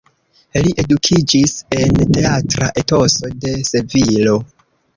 Li edukiĝis en teatra etoso de Sevilo.